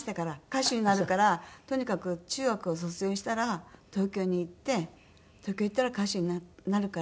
歌手になるからとにかく中学を卒業したら東京に行って東京行ったら歌手になるから。